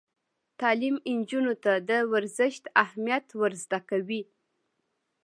تعلیم نجونو ته د ورزش اهمیت ور زده کوي.